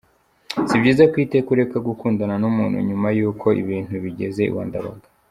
Si byiza ko iteka ureka gukundana n’umuntu nyuma y’uko ibintu bigeze iwandabaga.